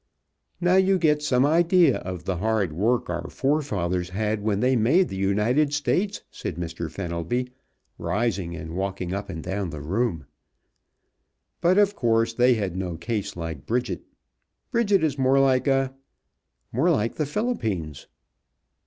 "Now you get some idea of the hard work our forefathers had when they made the United States," said Mr. Fenelby, rising and walking up and down the room. "But of course they had no case like Bridget. Bridget is more like a more like the Philippines.